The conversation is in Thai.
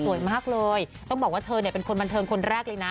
สวยมากเลยต้องบอกว่าเธอเป็นบรรเทิงคนแรกเลยนะ